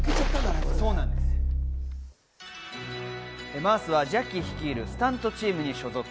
マースはジャッキー率いるスタントチームに所属。